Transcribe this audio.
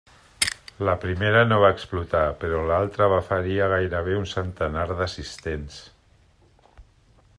La primera no va explotar, però l'altra va ferir a gairebé un centenar d'assistents.